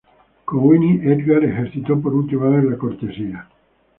Con Winnie, Edgard ejercitó por última vez la cortesía.